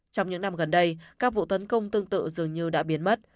trong những năm gần đây các vụ tấn công tương tự dường như đã biến mất